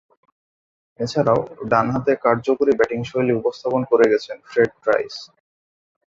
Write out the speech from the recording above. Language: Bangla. এছাড়াও, ডানহাতে কার্যকরী ব্যাটিংশৈলী উপস্থাপন করে গেছেন ফ্রেড প্রাইস।